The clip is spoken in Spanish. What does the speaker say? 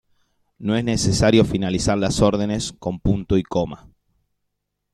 No es necesario finalizar las órdenes con "punto y coma".